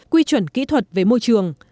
quy chuẩn kỹ thuật về môi trường